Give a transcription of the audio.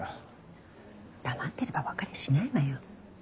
黙ってればわかりゃしないわよ。